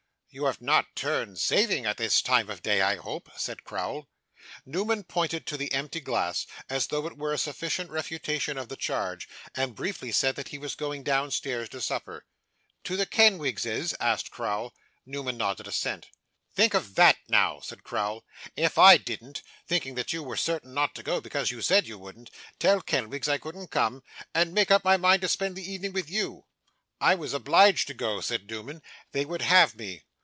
'You have not turned saving, at this time of day, I hope?' said Crowl. Newman pointed to the empty glass, as though it were a sufficient refutation of the charge, and briefly said that he was going downstairs to supper. 'To the Kenwigses?' asked Crowl. Newman nodded assent. 'Think of that now!' said Crowl. 'If I didn't thinking that you were certain not to go, because you said you wouldn't tell Kenwigs I couldn't come, and make up my mind to spend the evening with you!' 'I was obliged to go,' said Newman. 'They would have me.